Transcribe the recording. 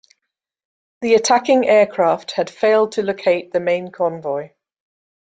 The attacking aircraft had failed to locate the main convoy.